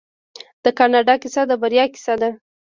د کاناډا کیسه د بریا کیسه ده.